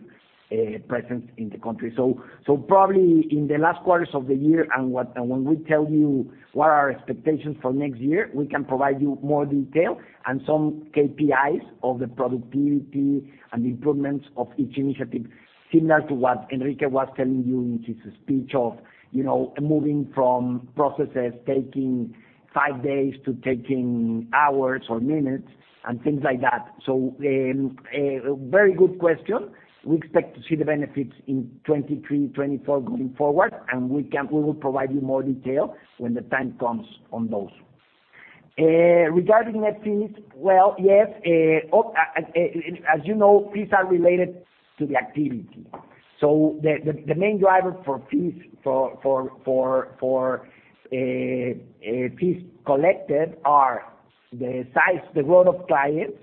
presence in the country. Probably in the last quarters of the year and when we tell you what our expectations for next year, we can provide you more detail and some KPIs of the productivity and the improvements of each initiative, similar to what Enrique was telling you in his speech of, you know, moving from processes taking five days to taking hours or minutes and things like that. A very good question. We expect to see the benefits in 2023, 2024 going forward, and we will provide you more detail when the time comes on those. Regarding net fees, well, yes, as you know, fees are related to the activity. The main driver for fees collected are the size, the growth of clients,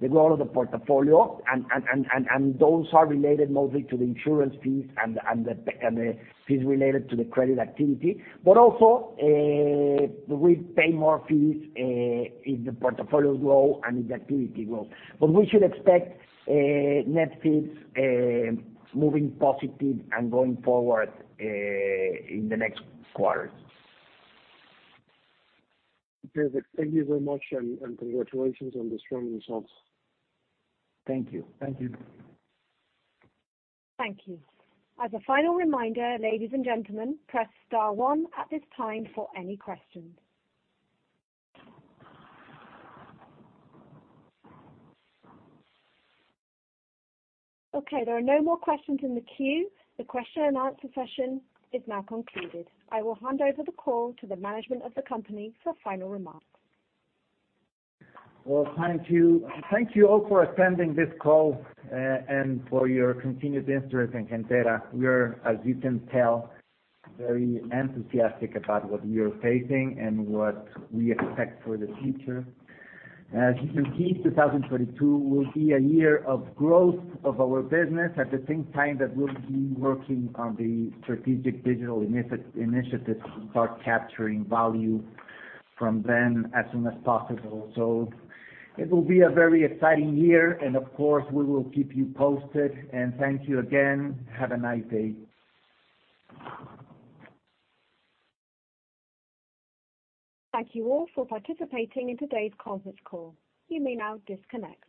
the growth of the portfolio, and those are related mostly to the insurance fees and the fees related to the credit activity. Also, we pay more fees if the portfolios grow and if the activity grows. We should expect net fees moving positive and going forward in the next quarter. Perfect. Thank you very much and congratulations on the strong results. Thank you. Thank you. Thank you. As a final reminder, ladies and gentlemen, press star one at this time for any questions. Okay, there are no more questions in the queue. The question and answer session is now concluded. I will hand over the call to the management of the company for final remarks. Well, thank you. Thank you all for attending this call and for your continued interest in Gentera. We are, as you can tell, very enthusiastic about what we are facing and what we expect for the future. As you can see, 2022 will be a year of growth of our business. At the same time that we'll be working on the strategic digital initiative to start capturing value from them as soon as possible. It will be a very exciting year and of course, we will keep you posted, and thank you again. Have a nice day. Thank you all for participating in today's conference call. You may now disconnect.